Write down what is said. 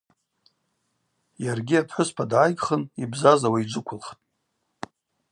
Йаргьи апхӏвыспа дгӏайгхын йбзазауа йджвыквылхтӏ.